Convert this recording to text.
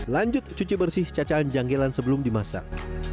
lanjut cuci bersih cacaan janggilan sebelum dimasak